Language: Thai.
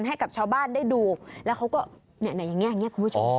ให้กับชาวบ้านได้ดูแล้วก็อย่างนี้คุณผู้ชม